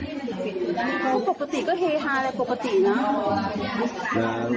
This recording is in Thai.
เราปกติก็เฮฮานายปกติ